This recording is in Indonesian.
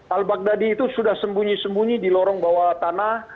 al baghdadi itu sudah sembunyi sembunyi di lorong bawah tanah